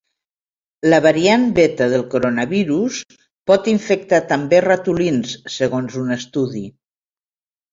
La variant beta del coronavirus pot infectar també ratolins, segons un estudi.